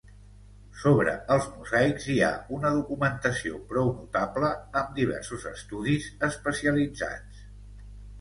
Sobre els mosaics hi ha una documentació prou notable, amb diversos estudis especialitzats.